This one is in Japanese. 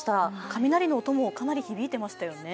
雷の音もかなり響いていましたよね。